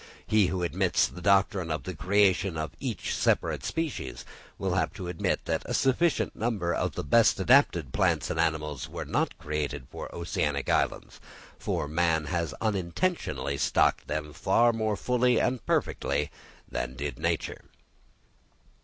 He who admits the doctrine of the creation of each separate species, will have to admit that a sufficient number of the best adapted plants and animals were not created for oceanic islands; for man has unintentionally stocked them far more fully and perfectly than did nature.